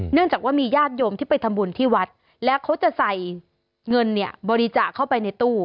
เนื่องจากว่ามีญาติโยมที่ไปทำบุญที่วัดแล้วเขาจะใส่เงินเนี่ยบริจาคเข้าไปในตู้